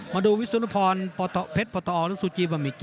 มาดูวิสุนพรเพชรพตออลและซูจิบะหมิกิ